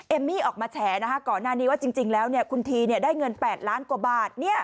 มี่ออกมาแฉก่อนหน้านี้ว่าจริงแล้วคุณทีได้เงิน๘ล้านกว่าบาท